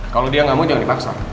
kalau dia nggak mau jangan dipaksa